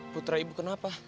putra ibu kenapa